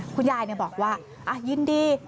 คุณยายบอกว่ายินดี